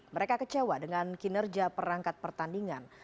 mereka kecewa dengan kinerja perangkat pertandingan